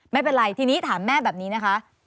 ไม่เป็นไรทีนี้ถามแม่แบบนี้นะคะ